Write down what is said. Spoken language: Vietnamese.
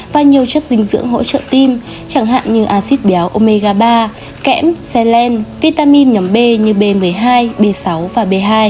và nhiều chất dinh dưỡng hỗ trợ tim chẳng hạn như acid béo omega ba kẽm xeland vitamin nhóm b như b một mươi hai b sáu và b hai